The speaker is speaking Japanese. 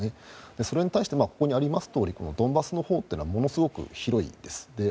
それに対してここにありますとおりドンバスのほうというのはものすごく広いです。